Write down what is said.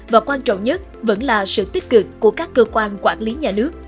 và quan trọng nhất vẫn là sự tích cực của các cơ quan quản lý nhà nước